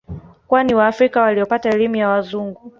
Kwani waafrika waliopata elimu ya Wazungu